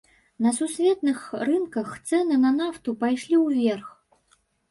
На сусветных рынках цэны на нафту пайшлі ўверх.